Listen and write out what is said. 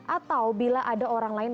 atau bila ada orang lain